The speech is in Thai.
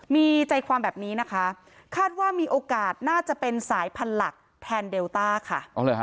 มีใจความแบบนี้นะคะคาดว่ามีโอกาสน่าจะเป็นสายพันธุ์หลักแทนเดลต้าค่ะ